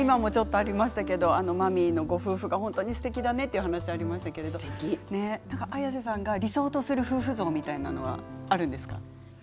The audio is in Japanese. マミーのご夫婦が本当にすてきだねというお話がありましたけど、綾瀬さんが理想とする夫婦像みたいなものはあるんですか？